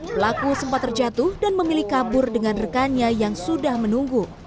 pelaku sempat terjatuh dan memilih kabur dengan rekannya yang sudah menunggu